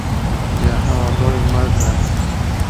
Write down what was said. بیا هغه لوی مرګ راسي